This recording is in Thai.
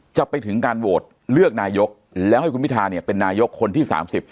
จะไปถึงการโหวตเลือกนายกแล้วให้คุณพิทาเนี่ยเป็นนายกคนที่๓๐